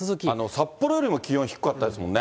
札幌よりも気温低かったですもんね。